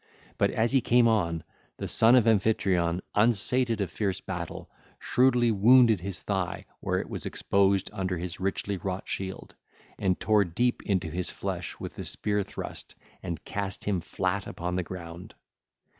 But as he came on, the son of Amphitryon, unsated of fierce battle, shrewdly wounded his thigh where it was exposed under his richly wrought shield, and tare deep into his flesh with the spear thrust and cast him flat upon the ground.